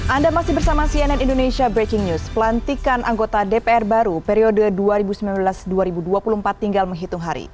anda masih bersama cnn indonesia breaking news pelantikan anggota dpr baru periode dua ribu sembilan belas dua ribu dua puluh empat tinggal menghitung hari